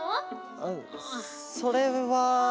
あそれは。